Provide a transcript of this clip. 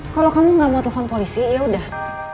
kalau kamu gak mau telepon polisi yaudah